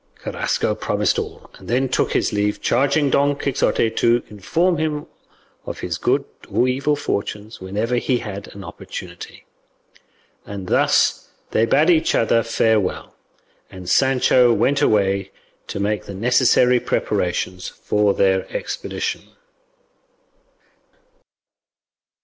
Carrasco promised all, and then took his leave, charging Don Quixote to inform him of his good or evil fortunes whenever he had an opportunity; and thus they bade each other farewell, and Sancho went away to make the necessary preparations for their expedition.